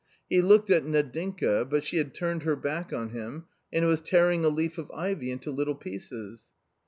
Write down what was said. He looked at Nadinka, but she had turned her back on him and was tearing a leaf of ivy into little pieces.